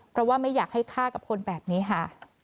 เพราะว่าไม่อยากให้ฆ่ากับคนแบบนี้ค่ะ